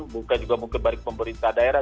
bukan juga mungkin baik pemerintah daerah